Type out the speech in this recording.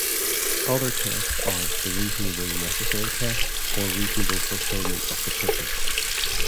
Other tests are the 'reasonably necessary' test or 'reasonable fulfillment of the purpose'.